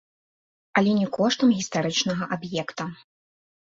Але не коштам гістарычнага аб'екта.